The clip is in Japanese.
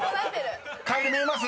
［カエル見えます？